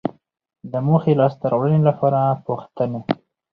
د موخې لاسته راوړنې لپاره پوښتنې